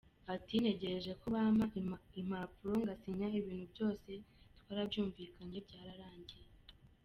Ati "Ntegereje ko bampa impapuro ngasinya, ibintu byose twarabyumvikanye, byararangiye.